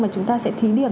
mà chúng ta sẽ thí điểm